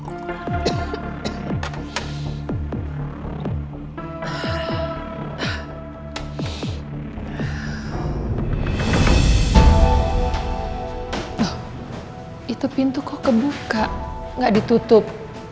aduh itu pintu kok kebuka nggak ditutup